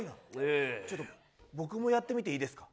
ちょっと僕もやってみていいですか。